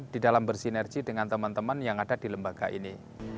di dalam bersinergi dengan teman teman yang ada di lembaga ini